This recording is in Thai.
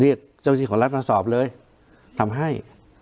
เรียกเจ้าพิธีของรัฐมาสอบเลยทำให้